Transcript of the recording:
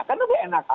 kan lebih enak